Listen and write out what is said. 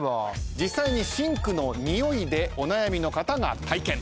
実際にシンクの臭いでお悩みの方が。